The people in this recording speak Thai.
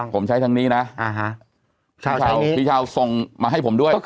ผมใช้ทางนี้พี่เช้าส่งเหมือนมาให้ผมด้วย